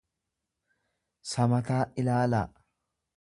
samataa ilaalaa.